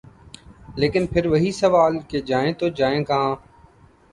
لیکن پھر وہی سوال کہ جائیں تو جائیں کہاں۔